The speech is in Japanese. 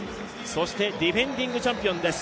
そして、ディフェンディングチャンピオンです。